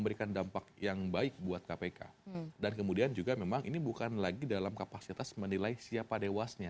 itu pun tidak dilakukan